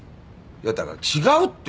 いやだから違うって！